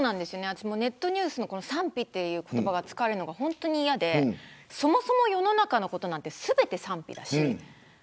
ネットニュースで賛否という言葉が使われるのが嫌でそもそも世の中のことなんて全て賛否だし。